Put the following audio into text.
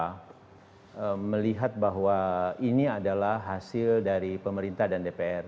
kita melihat bahwa ini adalah hasil dari pemerintah dan dpr